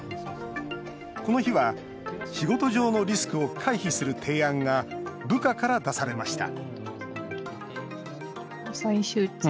この日は仕事上のリスクを回避する提案が部下から出されました